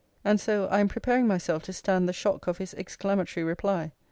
And so, I am preparing myself to stand the shock of his exclamatory reply.